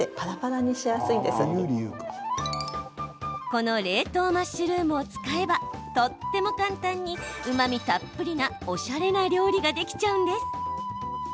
この冷凍マッシュルームを使えばとっても簡単にうまみたっぷりな、おしゃれな料理ができちゃうんです！